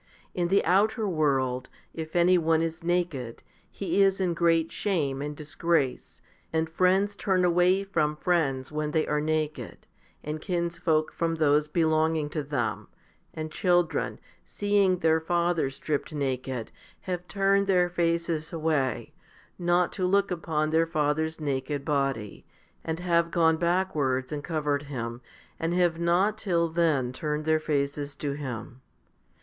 2 In the outer world, if any one is naked, he is in great shame and disgrace, and friends turn away from friends when they are naked, and kinsfolk from those belonging to them, and children, seeing their father stripped naked, have turned their faces away, not to look upon their father's naked body, and have gone backwards and covered him, and have not till then turned their faces to him.